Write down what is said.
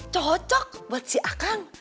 cocok buat si akang